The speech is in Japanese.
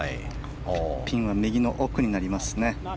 ピンは右の奥になりますね。